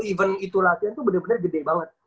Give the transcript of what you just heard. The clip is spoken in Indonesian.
event itu laki laki itu bener bener gede banget